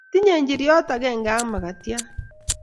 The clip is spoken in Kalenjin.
Tinyei njiriot akenge ak makatiat